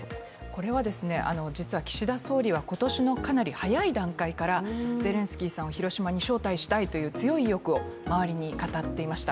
これは実は岸田総理は今年のかなり早い段階からゼレンスキーさんを広島に招待したいという強い意欲を周りに語っていました。